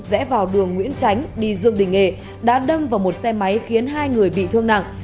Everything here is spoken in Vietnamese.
rẽ vào đường nguyễn tránh đi dương đình nghệ đã đâm vào một xe máy khiến hai người bị thương nặng